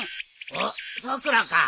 おっさくらか。